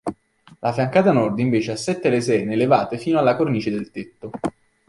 La fiancata nord invece ha sette lesene elevate fino alla cornice del tetto.